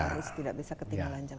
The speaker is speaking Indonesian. harus tidak bisa ketinggalan jam